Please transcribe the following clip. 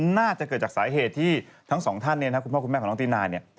น่าจะเกิดจากสาเหตุที่ทั้งสองท่านเนี่ยนะครับคุณพ่อคุณแม่ของน้องตีนายเนี่ย